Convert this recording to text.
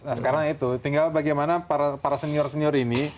nah sekarang itu tinggal bagaimana para senior senior ini